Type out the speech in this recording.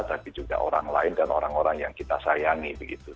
tapi juga orang lain dan orang orang yang kita sayangi begitu